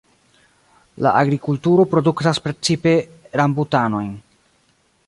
La agrikulturo produktas precipe rambutanojn.